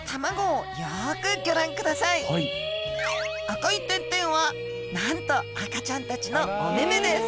赤い点々はなんと赤ちゃんたちのおめめです